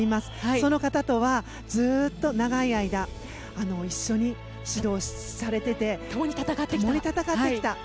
その方とはずっと長い間一緒に指導されていてともに戦ってきた。